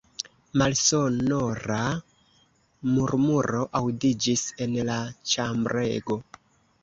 Malsonora murmuro aŭdiĝis en la ĉambrego.